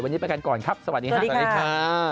วันนี้ไปกันก่อนครับสวัสดีค่ะ